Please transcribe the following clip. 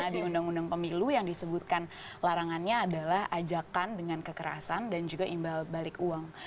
jadi untuk undang undang pemilu yang disebutkan larangannya adalah ajakan dengan kekerasan dan juga imbal balik uang